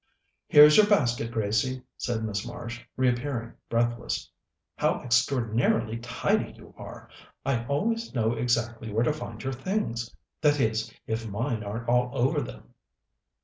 "Here's your basket, Gracie," said Miss Marsh, reappearing breathless. "How extraordinarily tidy you are! I always know exactly where to find your things that is, if mine aren't all over them!"